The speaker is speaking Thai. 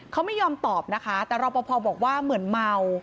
เขาไม่ยอมตอบนะคะแต่รอปภบอกว่าเหมือนเมา